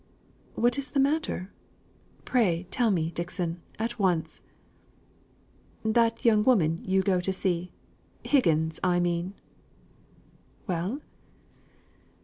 "What is the matter? Pray, tell me, Dixon, at once." "That young woman you go to see Higgins I mean." "Well?"